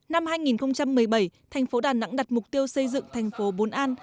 năm hai nghìn một mươi bảy thành phố đà nẵng đặt mục tiêu xây dựng thành phố bốn an